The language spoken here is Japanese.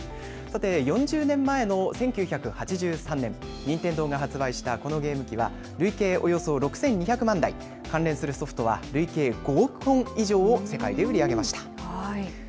４０年前の１９８３年、任天堂が発売したこのゲーム機は累計およそ６２００万台関連するソフトは累計５億本以上売り上げました。